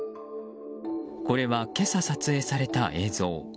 これは今朝撮影された映像。